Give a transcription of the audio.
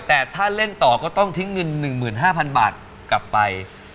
แต่ถ้าเล่นต่อก็ต้องทิ้งเงิน๑๕๐๐๐บาทกลับไป